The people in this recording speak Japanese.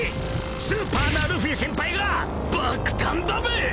［スーパーなルフィ先輩が爆誕だべ！］